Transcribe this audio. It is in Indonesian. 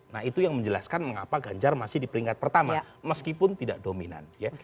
nah itu yang menjelaskan mengapa ganjar masih di peringkat pertama meskipun tidak dominan ya